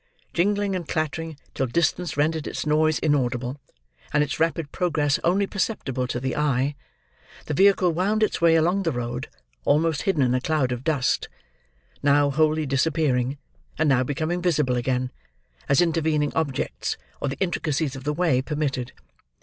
Jingling and clattering, till distance rendered its noise inaudible, and its rapid progress only perceptible to the eye, the vehicle wound its way along the road, almost hidden in a cloud of dust: now wholly disappearing, and now becoming visible again, as intervening objects, or the intricacies of the way, permitted.